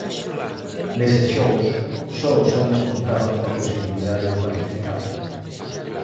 Neses Xogos, só os homes contaban coa posibilidade de participar.